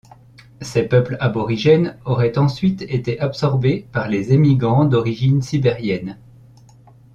Ces peuples aborigènes auraient ensuite été absorbés par les émigrants d’origine sibérienne.